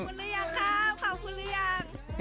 ขอบคุณละยังครับขอบคุณละยัง